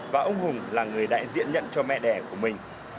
và ông hùng là người đại diện nhận cho mẹ đẻ của mình